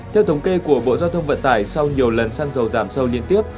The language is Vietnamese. theo thống kê của bộ giao thông vận tải sau nhiều lần xăng dầu giảm sâu liên tiếp